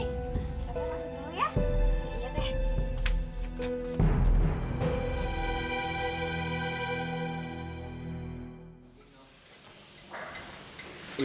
kita masuk dulu ya